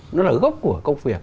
nó là gốc của công việc